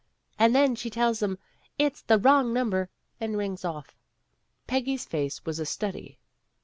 And then she tells 'em it 's the wrong number and rings off. '' Peggy's face was a study.